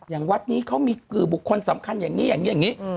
อย่างวัดนี้เขามีบุคคลสำคัญอย่างนี้อย่างนี้